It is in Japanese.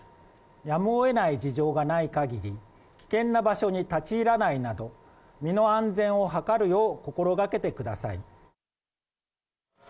やむをえない事情がないかぎり、危険な場所に立ち入らないなど、身の安全を図るよう、心がけてください。